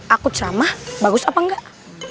aku sama bagus apa enggak